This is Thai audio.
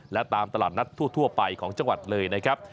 และตามตลาดนัดทั่วไปของจังหวัดเลยนะครับ